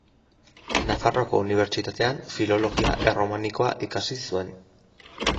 Nafarroako Unibertsitatean Filologia Erromanikoa ikasi zuen.